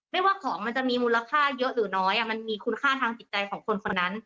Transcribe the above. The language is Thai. ไม่ว่าของมันจะมีมูลค่าเยอะหรือน้อยมันมีคุณค่าทางจิตใจของคนคนนั้น